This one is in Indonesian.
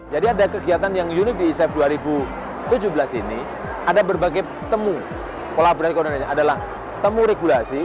jadi ada kegiatan yang unik di isef tahun dua ribu tujuh belas ini ada berbagai temu kolaborasi keuangan syariah adalah temu regulasi